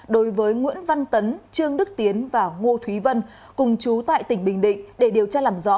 đối với nguyễn văn tấn trương đức tiến và ngô thúy vân cùng chú tại tỉnh bình định để điều tra làm rõ